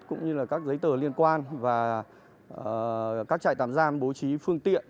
cũng như là các giấy tờ liên quan và các trại tạm giam bố trí phương tiện